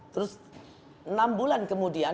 terus enam bulan kemudian